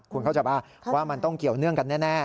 คุณเข้าใจป่ะว่ามันต้องเกี่ยวเนื่องกันแน่